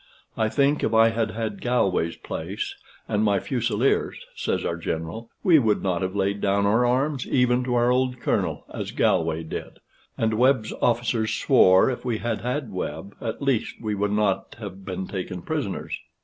"I think if I had had Galway's place, and my Fusileers," says our General, "we would not have laid down our arms, even to our old colonel, as Galway did;" and Webb's officers swore if we had had Webb, at least we would not have been taken prisoners.